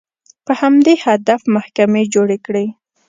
په همدې هدف محکمې جوړې کړې